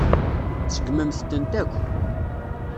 Tseggmemt-tent akk.